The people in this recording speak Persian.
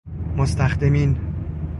مستخدمین